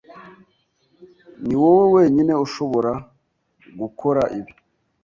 Niwowe wenyine ushobora gukora ibi.